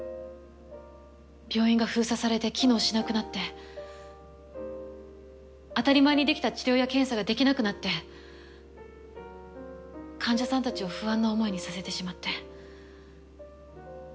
病院が封鎖されて機能しなくなって当たり前にできた治療や検査ができなくなって患者さんたちを不安な思いにさせてしまって。